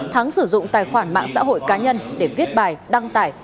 thắng sử dụng tài khoản mạng xã hội cá nhân để viết bài đăng tải